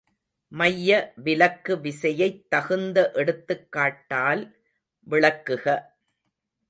மைய விலக்கு விசையைத் தகுந்த எடுத்துக்காட்டால் விளக்குக.